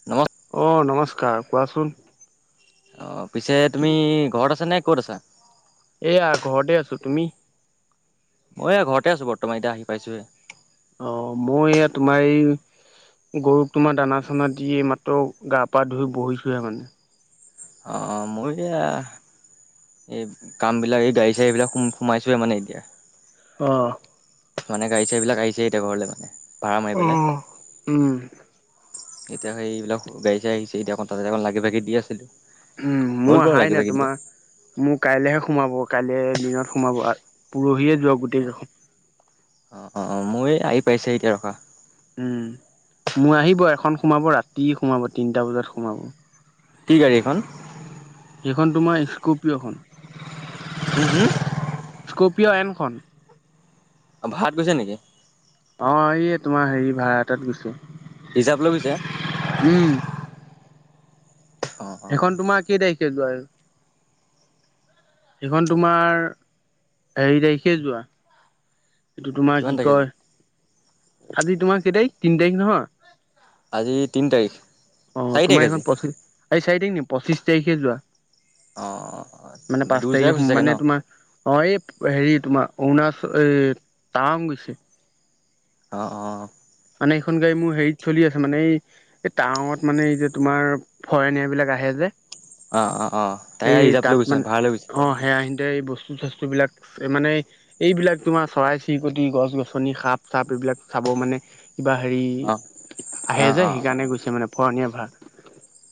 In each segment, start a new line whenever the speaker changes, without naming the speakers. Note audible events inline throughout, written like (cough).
(inaudible)
অ নমস্কাৰ কোৱাচোন।
অ পিছে
কি
তুমি ঘৰত আছা নে ক'ত আছা?
এয়া ঘৰতে আছো। তুমি?
মই এই ঘৰতে আছো বৰ্তমান এতিয়া আহি পাইছোহে।
অ মই এয়া তোমাৰ এই গৰুক তোমাৰ দানা-চানা দিয় মাত্ৰ গা-পা ধুই বহিছোঁহে মানে।
অ মোৰ এয়া এই কামবিলাক এই গাড়ী-চাড়ীবিলাক সোম-সোমাইছোহে মানে এতিয়া।
অ।
মানে গাড়ী-চাৰি বিলাক আহিছে এতিয়া ঘৰলৈ মানে ভাড়া মাৰি পেলাই।
উম।
এতিয়া সেইবিলাক গড়ী-চাৰী আহিছে এতি অকণ ততে অকণ লাগি ভাগি দি আছিলো।
উম
হ'ল
মোৰ
বাৰু
অহাই
লাগি
নাই
ভাগি দিয়া।
তোমাৰ মোৰ কাইলেহে সোমাব, কাইলে দিনত সোমাব পৰহিয়ে যোৱা গোটেই কে
অ-অ-অ মোৰ এই আহি পাইছে এতিয়া ৰখা।
উম মোৰ আহিব এখন সোমাব ৰাতি সোমাব তিনিটা বজাত সোমাব।
কি গাড়ী সেইখন?
সেইখন তোমাৰ স্কপিঅ'খন।
হু? হু?
স্কৰ্পিঅ' এমখন।
অ ভাৰাত গৈছে নেকি?
অ এই তোমাৰ হেৰি ভাড়াত গৈছে।
হিচাপ লৈয় গৈছে?
উম।
অ। অ
সেইখন তোমাৰ কেই তাৰিখে যোৱা আৰু? সেইখন তোমাৰ হেৰি তাৰিখে যোৱা এইটো তোমাৰ
কিমান
কি
তাৰিখে
কয়,
যোৱা?
আজি তোমাৰ কেই তাৰিখ তিন তাৰিখ নহয়?
আজি তিনি তাৰিখ।
অ
চাৰি
তোমাৰ
তাৰিখ আজি।
এইখন পঁচিশ আজি চাৰি তাৰিখ নি? পঁচিশ তাৰিখে যোৱা।
অ
মানে পাঁচ
দুই জেগা
তাৰিখে
গৈছে চাগে ন?
মানে তোমাৰ অ এই হেৰি তোমাৰ অৰুণাচল এই টাৱং গৈছে।
অ অ।
মানে এইখন গাড়ী মোৰ হেৰিত চলি আছে মানে এই এই টাংৱত মানে এই যে তোমাৰ ফৰেনিয়া বিলাক আহে যে।
অ অ অ তাই
এই
ৰিজাৰ্ভ লৈ
তাত
গৈছে
মানে
ভাড়া লৈ গৈছে
অ সেয়া এয়া এই বস্তু-চাস্তুবিলাক মানে এইবিলাক তোমাৰ চৰাই চিৰিকটি, গছ গছনি, সাপ চাপ এইবিলাক চাব মানে। কিবা হেৰি
অ
আহে
অ
যে
অ অ
সেইকাৰণে গৈছে মানে ফৰণীয়া ভা।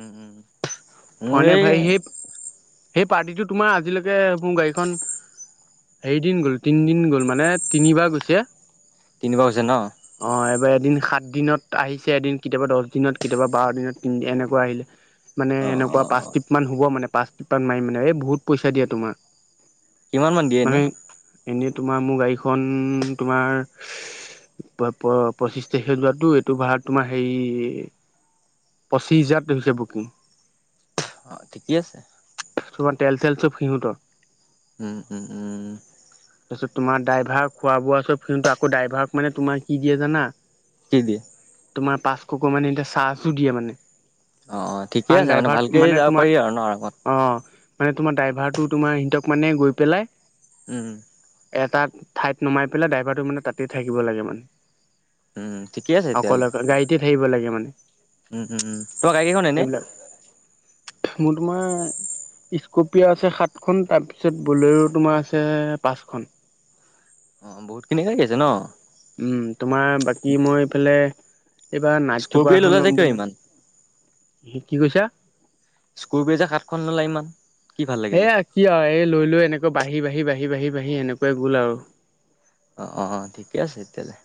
উম। মোৰ
ফুৱনীয়া
এই
ভাই হেই সেই পাৰ্টিটো তোমাৰ আজিলৈকে মোৰ গাড়ীখন হেৰিদিন গ'ল, তিনিদিন গ'ল মানে তিনিবাৰ গৈছে।
তিনিবাৰ গৈছে ন'?
অ' এইবাৰ এদিন সাত দিনত আহিছে, এদিন কেতিয়াবা দহ দিনত, কেতিয়াবা বাৰ দিনত তিনি এনেকুৱা আহিলে। (inaudible) মানে
অ অ
এনেকুৱা
অ
পাঁচ টিপমান হ'ব মানে পাঁচ টিপমান মাৰি মানে। এই বহুত পইচা দিয়ে তোমাৰ।
কিমান মান দিয়ে এনে?
এনে তোমাৰ মোৰ গাড়ীখন তোমাৰ প-প-পচিশ তাৰিখে যোৱাতো, এইটো ভাড়া তোমাৰ হেৰি পচিছ হাজাৰত হৈছে বুকিং।
অ' ঠিকেই আছে।
তুমান তেল চেল চব সিহঁতৰ।
উম, উম, উম, উ।
তাৰপিছত তোমাৰ ডাইভাৰ খোৱা বোৱা চব (unintelligible) আকৌ ড্ৰাইভাৰক মানে তোমাৰ কি দিয়ে জানা?
কি দিয়ে?
তোমাৰ পাছশকৈ মানে এতিয়া চাছো দিয়ে মানে।
অ', অ' ঠিকে
কাৰণ
আছে মানে
ড্ৰাইভাৰ
ভাল
মানে তোমাৰ, অ' মানে তোমাৰ ড্ৰাইভাৰটো তোমাৰ সিহঁতক মানে গৈ পেলাই
উম।
এটা ঠাইত নমাই পেলাই ড্ৰাইভাৰটো মানে তাতেই থাকিব লাগে মানে।
উম ঠিকে আছে
অকল
তেতিয়াহ'লে
অকল, গাড়ীতে থাকিব লাগে মানে।
উম, উম, উম। তোমাৰ গাড়ী কেইখন এনে?
এইবিলাক মোৰ তোমাৰ ইস্কুপিয় আছে সাতখন তাৰপিছত ব'লেৰো তোমাৰ আছে পাঁচখন।
অ' বহুতখিনি (unintelligible) ন'?
উম, তোমাৰ বাকী মই এইফালে এইবাৰ নাইট চোপাৰ
স্কৰপিঅ ল'লা
এখন
যে
ল'ম
কিয়
বুলি,
ইমান
হি কি কৈছা?
স্কুৰব্ৰেজাৰ সাতখন ললা ইমান। কি ভাল লাগিলে
এয়া কি আৰু এই লৈ লৈ, এনেকুৱা বাঢ়ি বাঢ়ি বাঢ়ি বাঢ়ি বাঢ়ি এনেকুৱাই গ'ল আৰু।
অ', অ' ঠিকে আছে তেতিয়াহ'লে।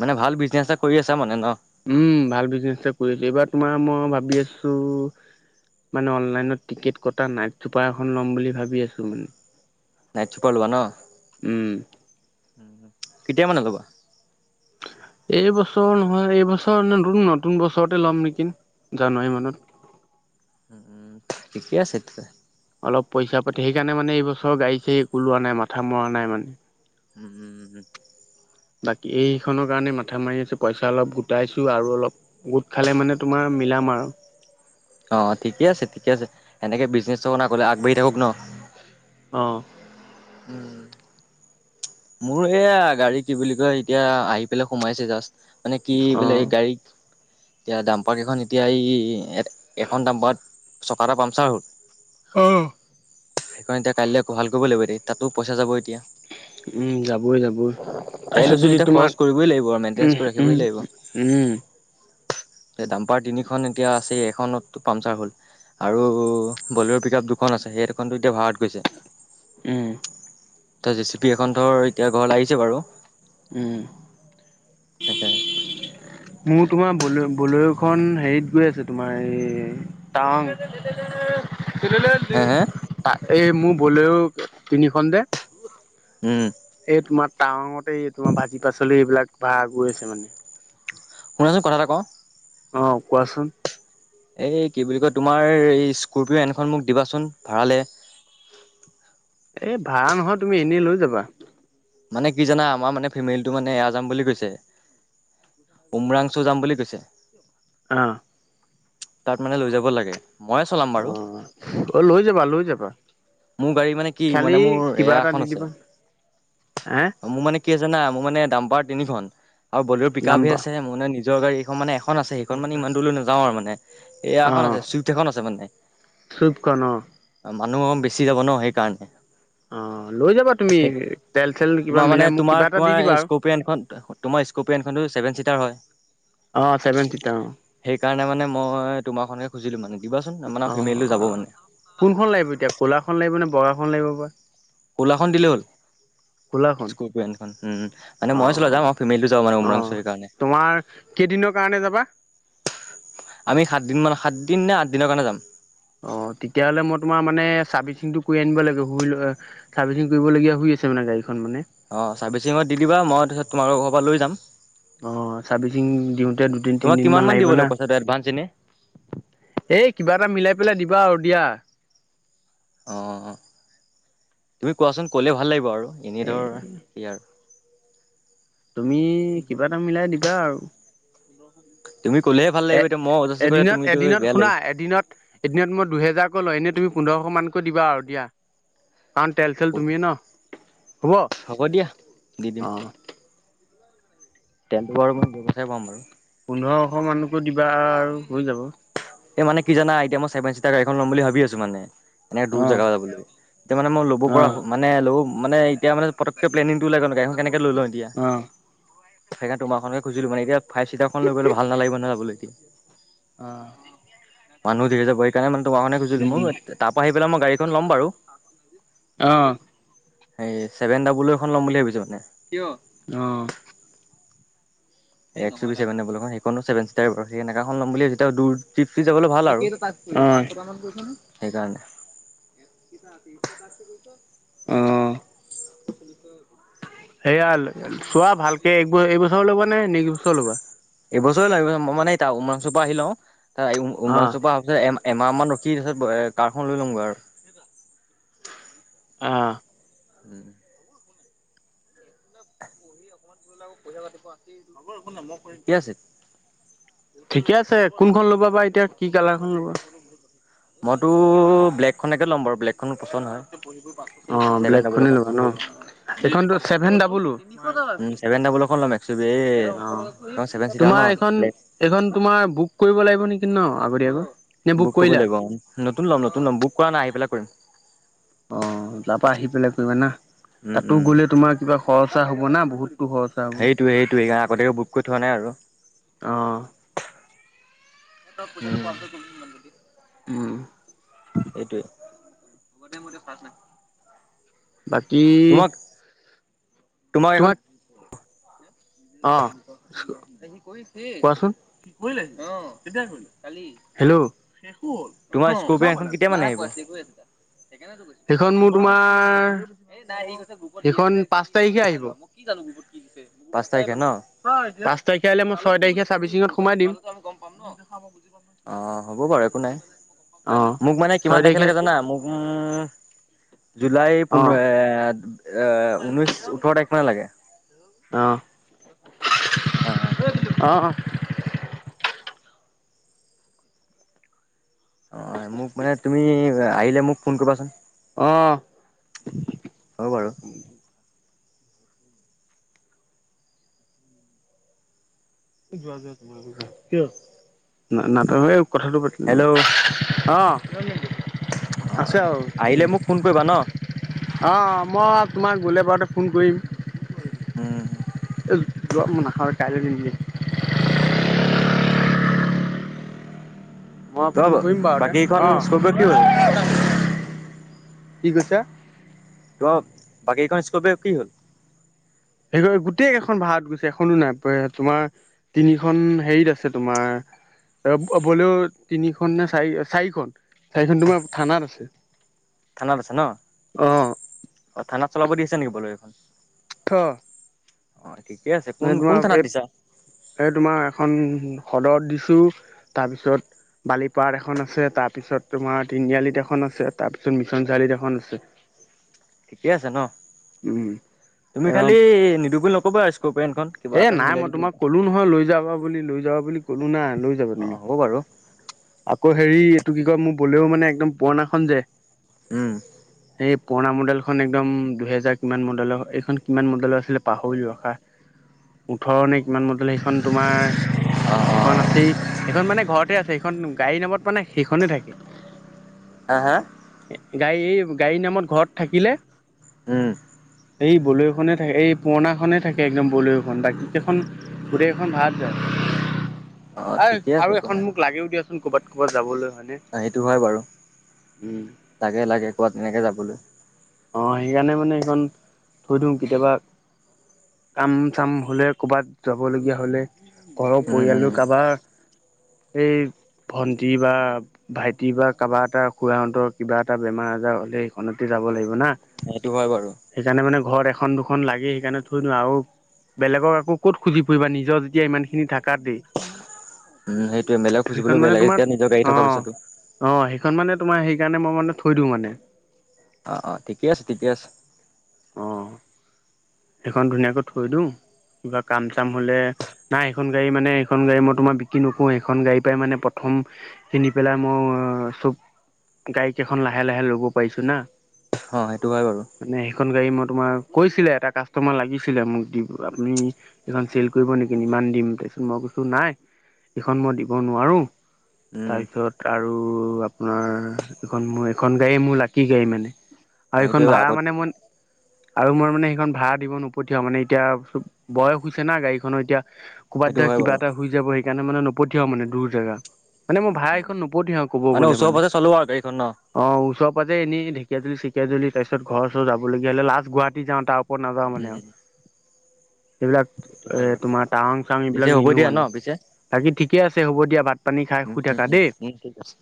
মানে ভাল বিজনেছ এটা কৰি আছা মানে ন'?
উম, ভাল বিজনেছ টা কৰি আছোঁ। এইবাৰ তোমাৰ মই ভাবি আছোঁ মানে অনলাইনত টিকেট কটা নাইট চুপাৰ এখন ল'ম বুলি ভাবি আছোঁ মানে।
নাইট চুপাৰ ল'বা ন'?
উম।
কেতিয়া মানত ল'বা?
এইবছৰ নহয়, এইবছৰ নতুন নতুন বছৰতে ল'ম নেকি জানুৱাৰী মানত।
উ, উম, ঠিকে আছে তে।
অলপ পইচা পাতি, সেইকাৰণোনে এইবছৰ গাড়ী চাড়ী ওলোৱা নাই, মথা মৰা নাই মানে।
উম, উম, উম, উম।
বাকী এইখনৰ কাৰণে মাথা মাৰি আছোঁ, পইচা অলপ গোটাইছোঁ আৰু অলপ গোট খালে মানে তোমাৰ মিলাম আৰু।
অ' ঠিকে আছে ঠিকে আছে। এনেকে বিজনেছ কথা ক'লে আগবাঢ়ি থাকক ন'?
অঁ।
উম। মোৰ সেইয়া গাড়ী কি বুলি কয় এতিয়া আহি পেলাই সোমাইছে জাষ্ট, মানে কি বোলে
অ',
এই গাড়ীক এতিয়া ডাম্পাৰ কেইখন এতিয়া এই এখন ডাম্পাৰত চকা এটা পামচাৰ হ'ল।
অ'।
সেইকাৰণে এতিয়া কাইলৈ ভাল কৰিব লাগিব এতিয়া তাতো পইচা যাব এতিয়া।
উম যাবই যাবই
গাড়ী
তাৰপিছত
লৈছো
যদি
যেতিয়া খৰচ
তোমাৰ,
কৰিবই লাগিব আৰু
উম
মেইনটেনেঞ্চ কৰি ৰাখিবই
উম
লাগিব।
উম। (inaudible)
এ ডাম্পাৰ তিনিখন এতিয়া আছে এখনতটো পামচাৰ হ'ল। আৰু বলেৰো পিক আপ দুখন আছে, সেই দুখটো এতিয়া ভাড়াত গৈছে।
উম।
ত' জেচিপি এখন ধৰ এতিয়া ঘৰলৈ আহিছে বাৰু।
উম।
তাকে।
মোৰ তোমাৰ বলে বলেৰোখন হেৰিত গৈ আছে তোমাৰ এই টাৱাং।
হে হে
এই মোৰ বলেৰো তিনিখন যে
উম।
এই তোমাৰ টাৱঙতে এই তোমাৰ ভাজ পাচলি এইবিলাক ভা গৈ আছে মানে।
শুনাচোন কথা এটা কওঁ?
অঁ কোৱাচোন।
এই কি বুলি কয় তোমাৰ এই স্কৰপিঅ' এনখন মোক দিবাচোন ভাড়ালৈ।
এই ভাড়া নহয় তুমি এনেই লৈ যাবা।
মানে কি জানা আমাৰ মানে ফেমিলিটো মানে এয়া যাম বুলি কৈছে। উমৰাং চু যাম বুলি কৈছে।
অঁহহ'।
তাত মানে লৈ যাব লাগে, মইয়ে চলাম বাৰু।
অ লৈ যাবা লৈ যাবা
মোৰ গাড়ী মানে কি মানে
খালি
মোৰ
কিবা
এয়া
এটা
এখন
দি
আছে।
দিবা হে
মোৰ মানে কি জানা মোৰ মানে দাম্পাৰ তিনিখন আৰু বলেৰো পিক আপহে
নাম্বাৰ
আছে মোৰ মানে নিজৰ গাড়ী এ খন আছে সেইখন মানে ইমান দূৰলৈ নাযাওঁ আৰু মানে। এয়া
অ
এখন আছে চুইফট এখন আছে মানে।
চুইফ্টখন অ
মানুহ বেছি যাব ন সেইকাৰণে।
অঁ, লৈ যাবা তুমি তেল চেল কিবা মিলাই মোক কিবা এটা দি দিবা আৰু।
স্কৰপিয়ন তোমাৰ স্কৰপিয়নখনটো ছেভেন চিটাৰ হয়?
অঁ, চেভেন চিটাৰ অঁ।
সেইকাৰণে মানে মই তোমাৰখনে খুজিলো মানে, দিবাচোন মানে
অ
আমাৰ ফেমিলটো যাব
অ
মানে।
কোনখন লাগিব এতিয়া, ক'লাখন লাগিব নে বগাখন লাগিব বা?
ক'লাখন দিলেই হ'ল।
ক'লাখন
স্কৰপিয়নখন উম, মানে
অ
মই চলাই যাম, আৰু ফেমিলিটো যাব মানে
অ
উমৰাংচুৰ সেইকাৰণে।
তোমাৰ কেইদিনৰ কাৰণে যাবা?
আমি সাত দিন মান সাত দিন নে আঠ দিনৰ কাৰণে যাম।
অহ', তেতিয়াহ'লে মই তোমাৰ মানে চাৰ্ভিচিংটো কৰি আনিব লাগে কৰিলো হয়। চাৰ্ভিচিং কৰিবলগীয়া হৈ আছে মানে গাড়ীখন মানে।
অ' চাৰ্ভিচিঙত দি দিবা মই তাৰপিছত তোমালোকৰ ঘৰৰ পৰা লৈ যাম।
অ', চাৰ্ভিচিং দিওঁতে দুদিন
তোমাক কিমান
তিনদিনমান
মান দিব
লাগিব নে?
পইচাটো এডভান্স এনে
এই কিবা এটা মিলাই পেলাই দিবা আৰু দিয়া।
অ', তুমি কোৱাচোন। ক'লে ভাল লাগিব আৰু এনেই
এ
ধৰ কি আৰু
তুমি কিবা এটা মিলাই দিবা আৰু।
তুমি ক'লেহে ভাল
এ
লাগিব এতিয়া মই অজাচি কৰিলে
এদিনত
তুমিতো
এদিনত
বেয়া
শুনা,
লাগিব
এদিনত এদিন ত মই দুহেজাৰকৈ লওঁ, এনেই তুমি পোন্ধৰশ মানকৈ দিবা আৰু দিয়া। কাৰণ তেল চেল তুমিয়ে ন, হ'ব
দি দিম
অ'।
তেলটো বাৰু আৰু মই নিজৰ পইচাই ভৰাম বাৰু।
পোন্ধৰশ মানকৈ দিবা আৰু হৈ যাব।
এই মানে কি যানা, এটিয়া মই চেভেন চিটাৰ গাড়ী এখন ল'ম বুলি ভাবি আছোঁ মানে। এনে দূৰ
অ',
জেগালে যাবলৈ বুলি, এতিয়া মানে মই ল'ব পৰা
অ',
হোৱা মানে ল'ব, মানে এতিয়া মানে পটককে প্লেনিংটো ওলাই গ'ল, গাড়ীখন কেনেকে লৈ লওঁ এতিয়া।
উম, অ',
সেইকাৰণে তোমাৰখনকে খুজিলো মানে, এতিয়া ফাইভ চিটাৰখন লই গ'লে ভাল নালাগিব নহয়, যাবলৈ এতিয়া।
অ'।
মানুহ ধেৰ যাবি। সেইকাৰণে মানে তোমাৰখনকে খুজিলোঁ, মই তাৰ পৰা আহি পেলাই মই গাড়ীখন ল'ম বাৰু।
অ', অ',
এই ছেভেন ডাবুল অ'এখন ল'ম বুলি ভাবিছোঁ মানে।
কিয় অ'।
এক্স সেইখনো ছেভন চিতাৰ, সেইতেনেকাখন ল'ম বুলি ভাবিছোঁ, তেতিয়া দূৰলে যাবলৈ ভাল। আৰু
অ'।
সেইকাৰণে।
অ'। এয়া চোৱা ভালকে, একবছৰ। এইবছৰ ল'বা নে নেক্সট বছৰ ল'বা।
এইবছৰ লাগিব, এইবছৰ মই মানে উমৰাংচূপা আহি লওঁ, তাৰ
অ',
উমৰাংচোৰপা অহা তাৰপাছত এমাহমান ৰখি, তাৰপিছত কাৰখন লৈ ল'মগৈ আৰু।
অ'।
(inaudible) ঠিকে আছে
(unintelligible) ঠিকে আছে, কোনখন ল'বা বা এতিয়া। কি কালাৰখন ল'বা?
মইতো ব্লেক খনেকে ল'ম বাৰু, ব্লেক-
অ', ব্লেক
ডাবল
খনে
এখন
ল'বা ন!
উম
সেইখনতো ছেভেন ডাবোল অ'। অ',
উম ছেভেন ডাবল এখন ল'ম এক্স ইউ ভি এই ছেভেন চিটাৰ
তোমাৰ
ন
এইখন,
ব্লেক
এইখন তোমাৰ বুক কৰিব লাগিব নেকি ন? আগতিয়াকৈ।
বুক কৰিব লাগিব অ', নতুন ল'ম, নতুন ল'ম, বুক কৰা নাই, আহি পেলাই কৰিম।
অ', তাৰ পৰা আহি পেলাই কৰিবা ন!
উম
তাতো
উম
গ'লে তোমাৰ কিবা খৰচা হ'ব না, বহুতো খৰচ
সেইটোৱে সেইটোৱে, সেইকাৰণে আগতিয়াকৈ বুক কৰি থোৱা নাই আৰু।
অ'।
উম
উম'।
সেইটোৱেই।
বাকী
তোমাৰ সেইখন
তোমাক অ', কোৱাচোন? কৰিলে। অ', কেতিয়া কৰিলে? হেল্ল'।
তোমাৰ স্কপিঅ' এখন কেতিয়া মানে আহিব
সেইখন তোমাৰ- সেইখন পাঁচ তাৰিখে আহিব।
পাঁচ তাৰিখে ন
(inaudible) পাঁচ তাৰিখে আহিলে মই ছয় তাৰিখে চাৰ্ভিচিঙত সুমুৱাই দিম।
অঁ! হ'ব বাৰু একো নাই।
অ',
মোক মানে কিমান তাৰিখে লাগে জানা, মোক (unintelligible) জুলাই পোন্ধ
অ',
(unintelligible) এ ঊনৈশ-ওঠৰ তাৰিখ মানে লাগে।
অঁ! (inaudible)
অহ'। (inaudible)
(inaudible) অঁ।
অঁ! মোক মানে তুমি আহিলে মোক ফোন কৰিবা চোন। (inaudible)
অঁ! (inaudible)
হয় বাৰু। (unintelligible)
যোৱা-যোৱা (unintelligible) তোমাৰ (unintelligible) কি হ'ল? (inaudible) নাটক এই কথাটো পাতি লওঁ।
হেল্ল'
অঁ (unintelligible) (unintelligible) আছে আৰু (inaudible)
আহিলে মোক ফোন কৰিবা ন
(unintelligible) অঁ! মই তোমাক গ'লে বাৰতে ফোন কৰিম।
উম। (unintelligible)
যোৱা মই নাখাওঁ, কাইলে দিম দিয়া। (unintelligible) মই ফোন কৰিম
(unintelligible)
বাৰুতে
বাকীগিখন
অঁ
স্কৰপিঅ কি হ'ল? (inaudible)
কি কৈছা? (unintelligible)
(inaudible) বাকী কিখন স্কৰপিঅ কি হ'ল?
সেই গোটেই কেইখন ভা়ৰাত গৈছে এখনো নাই, তোমাৰ (inaudible) তিনিখন হেৰিত আছে, তোমাৰ (inaudible) বলেৰ' তিনিখন নে চাৰি-চাৰিখন, চাৰিখন তোমাৰ থানাত আছে। (unintelligible)
থানাত আছে ন।
অঁ
অ! থানাত চলাব দিছে নেকি বলেৰোকেইখন? (unintelligible)
অহ। (inaudible)
অঁ! ঠিকেই আছে। কোন-কোন থানাত
এই
দিছা? (unintelligible)
এই তোমাৰ এখন সদৰত দিছোঁ, তাৰপিছত (inaudible) বালিপাৰাত এখন আছে, তাৰপিছত তোমাৰ তিনিআলিত এখন আছে, তাৰপিছত মিছন চাৰিআলিত এখন আছে। (inaudible)
ঠিকেই আছে ন। তুমি
উম
খালি নিদু বুলি নকবা আৰু স্কৰপিঅ এণ খন? (inaudible)
এ নাই মই তোমাক কলো নহয় লৈ যাবা বুলি, লৈ যাবা বুলি কলো না, লৈ যাবা তুমি।
অঁ হ'ব বাৰু
(inaudible) আকৌ হেৰি এইটো কি কয় মোৰ বলেৰ' মানে একদম পুৰণাখন যে (unintelligible)
উম। (inaudible)
এই পুৰণা মডেলখন একদম দুহেজাৰ কিমান মডেলৰ? এইখন কিমান মডেলৰ আছিলে পাহৰিলো ৰখা। (inaudible) ওঠৰ নে কিমান মডেলৰ সেইখন তোমাৰ
অঁ
সেইখন আছেই। সেইখন মানে ঘৰতেই আছে। (inaudible) সেইখন গাড়ী নামত মানে সেইখনেই থাকে। (inaudible)
হা-হা? (unintelligible)
গাড়ী, এই গাড়ীৰ নামত ঘৰত থাকিলে (unintelligible)
উম! (inaudible)
এই বলেৰ'খনেই থাকে, এই পুৰণাখনেই থাকে একদম বলেৰ'। (inaudible) (unintelligible) এইখন গোটেই কেইখন ভাৰাত যায়?
অঁ
(inaudible) এ
ঠিকে আছে
আৰু
একো
এখন
নাই
মোক লাগেও দিয়া চোন, ক'ৰবাত-ক'ৰবাত যাবলৈ হয় নে? (inaudible)
অ! সেইটো হয় বাৰু। লাগে-লাগে ক'ৰবাত এনেকে যাবলৈ। (inaudible)
অং! সেইকাৰণে মানে সেইখন থৈ দিওঁ, কেতিয়াবা কাম (inaudible) চাম হ'লে, কৰ'বাত যাবলগীয়া হ'লে, ঘৰৰ
উম উম
পৰিয়ালৰ কাৰোবাৰ (unintelligible) এই ভণ্টি বা (inaudible) ভাইটি বা কাৰোবা এটাৰ খুৰাহঁতৰ কিবা এটা বেমাৰ আজাৰ হ'লে এইখনতেই যাব লাগিব না। (inaudible)
সেইটো হয় বাৰু। (unintelligible)
সেইকাৰণে মানে ঘৰত এখন দুখন লাগি সেইকাৰণে থৈ দিওঁ আৰু। বেলেগক আকৌ ক'ত খুজি ফুৰিবা নিজৰ। এতিয়া ইমানখিনি।
উম সেইটোয়ে বেলেগ
সেইখন
খুজিবলৈ বেয়া
মানে
লাগে
তোমাৰ
এতিয়া নিজৰ গাড়ী
অ
থকা পিছতো।
অ সেইখন মানে তোমাৰ সেইকাৰণে মই মানে থৈ দিওঁ মানে।
অ অ ঠিকে আছে ঠিকে আছে।
অঁ। সেইখন ধুনীয়াকৈ থৈ দিওঁ কিবা কাম চাম হ'লে। নাই এখন গাড়ী মানে এইখন গাড়ী মই তোমাৰ বিক্ৰী নকৰো, সেইখন গাড়ী পাই মানে প্ৰথম। কিনি পেলাই মই, চব গাইকেইখন লাহে লাহে লব পাৰিছো না।
অ', সেইটো হয় বাৰু।
মানে সেইখন গাড়ী মই তোমাৰ কৈছিলে এটা কাচ কাষ্টমাৰ লাগিছিলে, মোক দি আপুনি এইখন চেল কৰিব নেকি? ইমান দিম, তাৰপিছত মই কৈছোঁ নাই। এইখন মই দিব নোৱাৰো,
উম,
তাৰপিছত আৰু আপোনাৰ, এইখন মোৰ এইখন গাড়ীয়েই মোৰ লাকি গাড়ী মানে। আৰু এইখন
সেইটোৱে
ভাড়া
আগত
মানে মই, আৰু মই মানে সেইখন ভাড়াত। দিব নপঠিয়াও মানে এতিয়াব বয়স হৈছে না গাড়ীখনৰ এয়া
সেইটো
ক'ৰবাত দে
হয় বাৰু
কিবা এটা হৈ যাব। সেইকাৰণে মানে নপঠিয়া মানে দূৰ জাগা। মানে মোৰ ভাই এখন নোপঠিহ আৰু ক'ব গ'লে
ওচৰে
মানে।
পাজৰে চলো আৰু গাড়ীখন ন?
অ ওচৰ প যে এনে ঢেকীয়াজুলি সেকিয়াজুলি তাৰ পিছ ঘৰচৰ যাবলীয়া হ'লে লাষ্ট গুৱাহাটী যওঁ তাৰ ওপৰত। নাযাওঁ
উম, উম,
মানে আৰু
উম,
এইবিলাক
সেইটো হয় বাৰু
এ তোমাৰ টাৱং চাং
পিছে
এইবিলাক
হ'ব
নিনো
দিয়া ন
মানে।
পিছে
বাকী ঠিকে আছে হ'ব দিয়া ভাত পানী খাই
উম,
শুই
উম,
থাককা
উম,
দেই।
উম, ঠিক আছে।